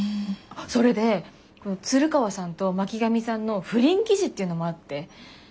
それで鶴川さんと巻上さんの不倫記事っていうのもあって。